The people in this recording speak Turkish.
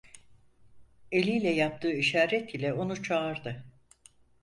Eliyle yaptığı işaret ile onu çağırdı.